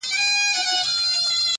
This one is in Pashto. چي هغه زه له خياله وباسمه،